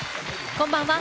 こんばんは。